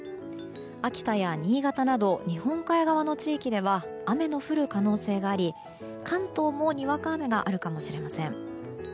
秋田や新潟など日本海側の地域では雨の降る可能性があり、関東もにわか雨があるかもしれません。